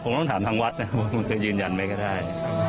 ผมต้องถามทางวัดนะครับว่ามันจะยืนยันไหมก็ได้